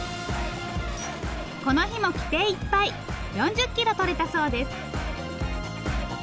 この日も規定いっぱい４０キロとれたそうです。